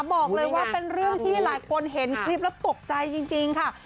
บอกเลยว่าเป็นเรื่องที่หลายคนเห็นคลิปแล้วตกใจจริงค่ะ